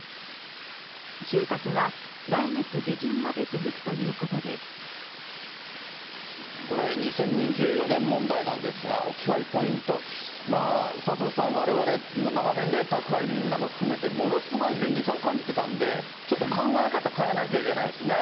収穫は来これ、２０２４年問題なんですが、置き配ポイント、佐藤さん、われわれ、もう長年、宅配便など含めて、ものすごい便利さを感じてたんで、ちょっと考え方変えなきゃいけないですね。